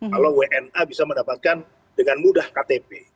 kalau wna bisa mendapatkan dengan mudah ktp